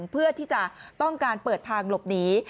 เพื่อที่จะต้องการเปิดทางหลบหนี